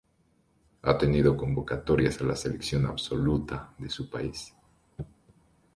Ha tenido convocatorias a la selección absoluta de su país.